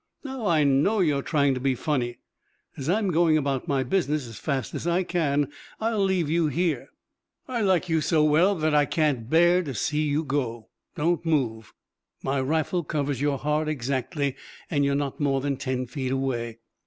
"Now I know you're trying to be funny. As I'm going about my business as fast as I can, I'll leave you here." "I like you so well that I can't bear to see you go. Don't move. My rifle covers your heart exactly and you are not more than ten feet away.